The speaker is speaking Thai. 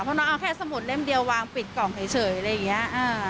เพราะน้องเอาแค่สมุดเล่มเดียววางปิดกล่องเฉยอะไรอย่างนี้